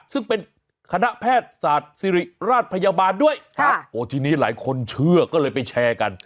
ซึ่งเป็นคณะแพทย์ศาสตร์สิริราชพยาบาลด้วยครับโอ้ทีนี้หลายคนเชื่อก็เลยไปแชร์กัน